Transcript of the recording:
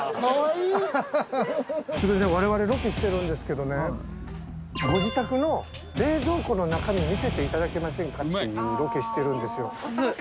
我々ロケしてるんですけどねご自宅の冷蔵庫の中身見せて頂けませんかっていうロケしてるんですよ。